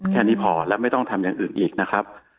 แค่นี้พอและไม่ต้องทำอย่างอื่นอีกนะครับ